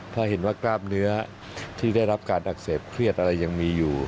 ถ้าเห็นว่ากล้ามเนื้อที่ได้รับการอักเสบเครียดอะไรยังมีอยู่